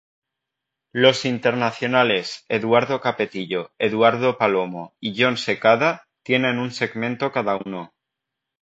Los internacionales Eduardo Capetillo, Eduardo Palomo y Jon Secada tienen un segmento cada uno.